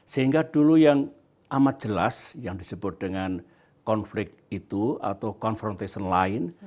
sehingga dulu yang amat jelas yang disebut dengan konflik itu atau confrontation lain